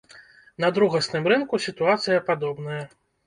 На другасным рынку сітуацыя падобная.